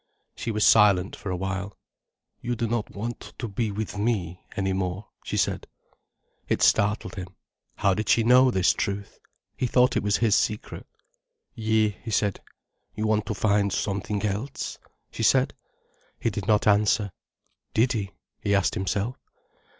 She was silent for a while. "You do not want to be with me any more," she said. It startled him. How did she know this truth? He thought it was his secret. "Yi," he said. "You want to find something else," she said. He did not answer. "Did he?" he asked himself.